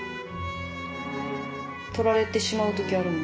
取られてしまう時あるもん。